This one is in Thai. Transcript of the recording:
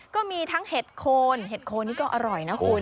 ก็มีทั้งเห็ดโคนเห็ดโคนนี่ก็อร่อยนะคุณ